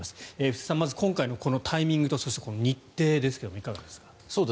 布施さん、今回のタイミングと日程ですが、いかがですか？